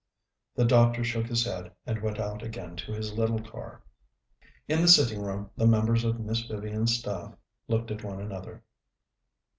The doctor shook his head and went out again to his little car. In the sitting room the members of Miss Vivian's staff looked at one another.